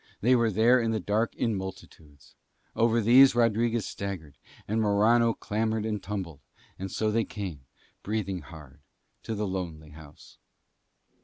They were there in the dark in multitudes. Over these Rodriguez staggered, and Morano clambered and tumbled; and so they came, breathing hard, to the lonely house.